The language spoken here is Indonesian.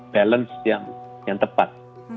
balance yang tepat